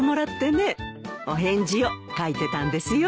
お返事を書いてたんですよ。